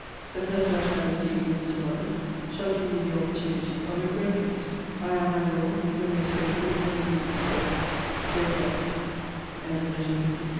The first letter I receive from Mr. Lovelace shall give me the opportunity of embracing it. I am, my Lord, Your most faithful and obedient servant, J. BELFORD. LETTER LIV MR. BELFORD, TO LORD M.